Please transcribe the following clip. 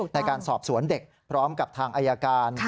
ในการสอบสวนเด็กพร้อมกับทางอายการ